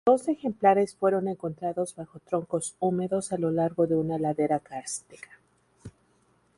Dos ejemplares fueron encontrados bajo troncos húmedos a lo largo de una ladera kárstica.